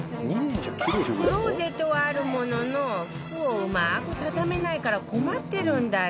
クローゼットはあるものの服をうまく畳めないから困ってるんだって